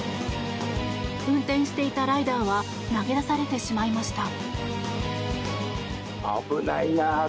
運転していたライダーは投げ出されてしまいました。